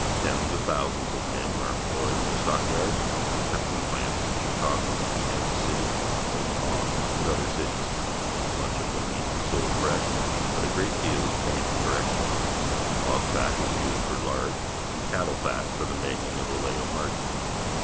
Tens of thousands of men are employed in the stockyards and packing plants in Chicag o^ Kan sas City, Omaha, and other cities. Much of the meat is sold fresh, but a great deal is camied for export. Hog fat is used for lard, and cattle fat for the making of oleomargarine.